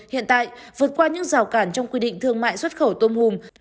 hiện tại vượt qua những rào cản trong quy định thương mại xuất khẩu tôm hùm